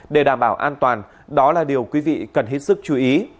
để đảm bảo an toàn đó là điều quý vị cần hết sức chú ý